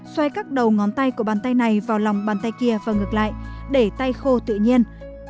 xoay các đầu ngón tay của bàn tay này vào lòng bàn tay kia và ngược lại để tay khô tự nhiên